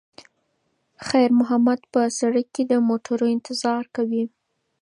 خیر محمد په سړک کې د موټرو انتظار کوي.